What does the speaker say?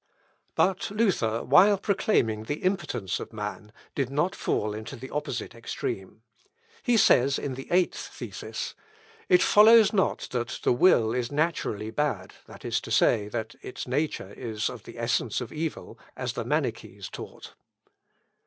But Luther, while proclaiming the impotence of man, did not fall into the opposite extreme. He says in the eighth thesis, "It follows not that the will is naturally bad, that is to say, that its nature is of the essence of evil, as the Manichees taught."